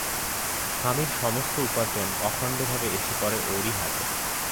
স্বামীর সমস্ত উপার্জন অখণ্ডভাবে এসে পড়ে ওরই হাতে।